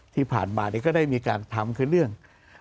ที่ผ่านมาก็ได้มีการทำคือเรื่อง